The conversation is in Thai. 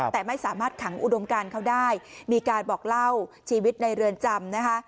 แต่ไม่สามารถขังอุดมการเขาได้มีการบอกเล่าชีวิตในเรือนจำนะคะ